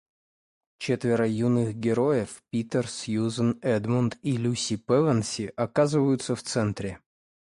Четверо юных героев - Питер, Сьюзен, Эдмунд и Люси Пэвенси - оказываются в центре